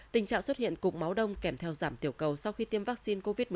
tình trạng xuất hiện cục máu đông kèm theo giảm tiểu cầu sau khi tiêm vaccine covid một mươi chín